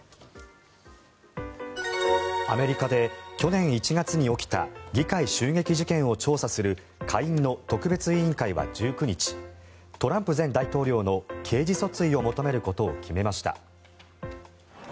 アメリカで去年１月に起きた議会襲撃事件を調査する下院の特別委員会は１９日トランプ前大統領の刑事訴追を求めることを決めました。